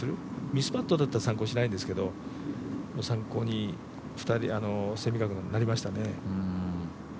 ミスパットなら参考にしないんですけど２人の参考に蝉川君がなりましたね。